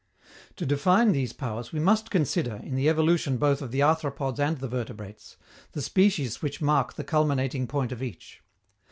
To define these powers, we must consider, in the evolution both of the arthropods and the vertebrates, the species which mark the culminating point of each.